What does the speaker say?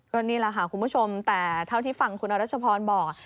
นี่แหละค่ะคุณผู้ชมแต่เท่าที่ฟังคุณอรัชพรบอก